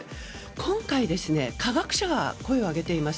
今回、科学者が声を上げています。